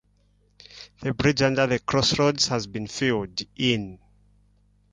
The bridge under the crossroads has been filled in.